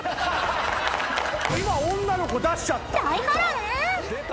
今女の子出しちゃった！